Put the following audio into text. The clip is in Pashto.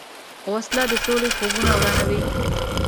وسله د سولې خوبونه ورانوي